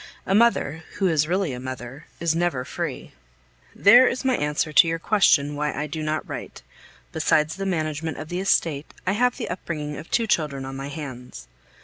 A mother, who is really a mother, is never free. There is my answer to your question why I do not write. Besides the management of the estate, I have the upbringing of two children on my hands.